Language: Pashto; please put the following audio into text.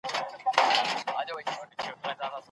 د ښځو ونډه د ټولني په پرمختګ کي ډېره مهمه ده.